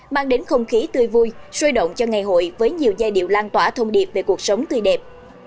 mang đến không khí tươi vui sôi động cho ngày hội với nhiều giai điệu lan tỏa thông điệp về cuộc sống tươi đẹp